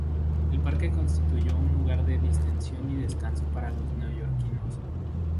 El parque constituyó un lugar de distensión y descanso para los neoyorquinos.